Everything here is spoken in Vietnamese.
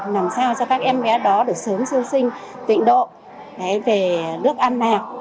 làm sao cho các em bé đó được sớm siêu sinh tịnh độ về nước ăn nạp